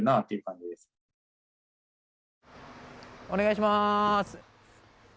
お願いします。